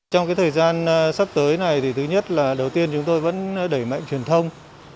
trong thời gian sắp tới này thì thứ nhất là đầu tiên chúng tôi vẫn đẩy mạnh truyền thông